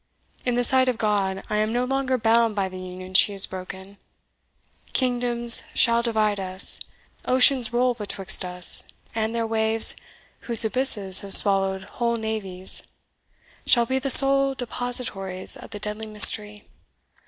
In the sight of God, I am no longer bound by the union she has broken. Kingdoms shall divide us, oceans roll betwixt us, and their waves, whose abysses have swallowed whole navies, shall be the sole depositories of the deadly mystery."